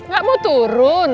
gak mau turun